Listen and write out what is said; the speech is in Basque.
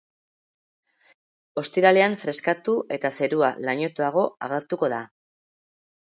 Ostiralean freskatu eta zerua lainotuago agertuko da.